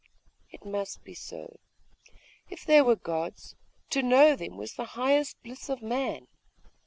It must be so. If there were gods, to know them was the highest bliss of man.